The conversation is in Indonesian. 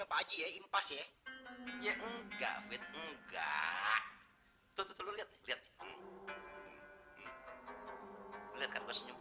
pakji ya impas ya enggak enggak